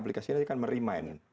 ini yang kita ingin aplikasikan merimain